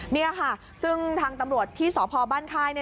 นี่ค่ะซึ่งทางตำรวจที่สพบ้านค่าย